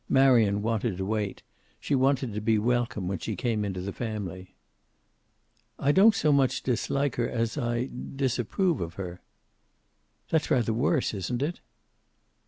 "Marion wanted to wait. She wanted to be welcome when she came into the family." "I don't so much dislike her as I disapprove of her." "That's rather worse, isn't it?"